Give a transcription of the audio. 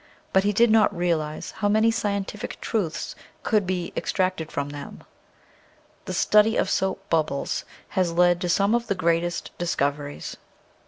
But he did not realize how many scientific truths could be extracted from them. The study of soap bubbles has led to some of the greatest discoveries.